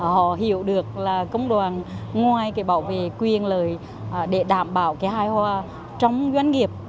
họ hiểu được là công đoàn ngoài cái bảo vệ quyền lời để đảm bảo cái hai hoa trong doanh nghiệp